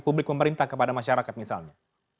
publik pemerintah kepada masyarakat misalnya